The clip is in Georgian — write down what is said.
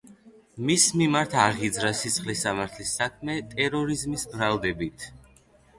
მის მიმართ აღიძრა სისხლის სამართლის საქმე ტერორიზმის ბრალდებით.